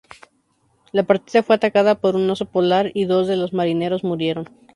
La partida fue atacada por un oso polar y dos de los marineros murieron.